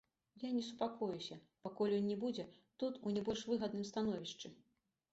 Я не супакоюся, пакуль ён не будзе тут у не больш выгадным становішчы.